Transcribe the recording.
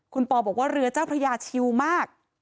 คุณปอบอกว่าเรือเจ้าพระยาชิวมาก